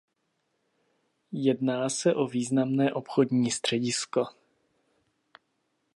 Jedná se o významné obchodní středisko.